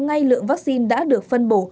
ngay lượng vaccine đã được phân bổ